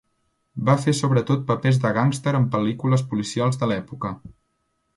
Va fer sobretot papers de gàngster en pel·lícules policials de l'època.